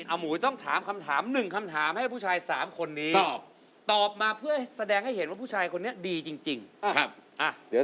อาหมูต้องถามคำถาม๑คำถามให้ผู้ชาย๓คนนี้